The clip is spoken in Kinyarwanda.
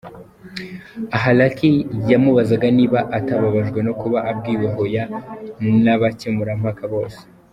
Aha Lucky yamubazaga niba atababajwe no kuba abwiwe hoya n'abakemurampaka bose.